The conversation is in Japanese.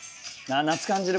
夏感じる。